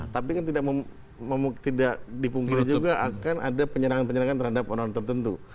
tapi kan tidak dipungkiri juga akan ada penyerangan penyerangan terhadap orang orang tertentu